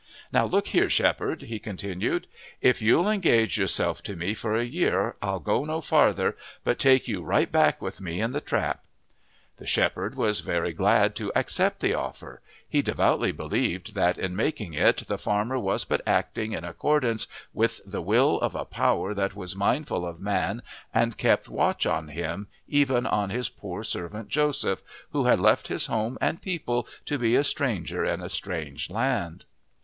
"Now look here, shepherd," he continued, "if you'll engage yourself to me for a year I'll go no farther, but take you right back with me in the trap." The shepherd was very glad to accept the offer; he devoutly believed that in making it the farmer was but acting in accordance with the will of a Power that was mindful of man and kept watch on him, even on His poor servant Joseph, who had left his home and people to be a stranger in a strange land.